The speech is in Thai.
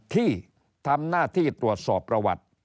ที่ทำหน้าที่ตรวจสอบประวัติ